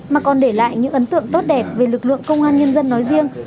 mà còn để lại những ấn tượng tốt đẹp về lực lượng công an nhân dân nói riêng